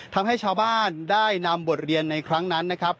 ทำให้ชาวบ้านได้นำบทเรียนในครั้งนั้นนะครับ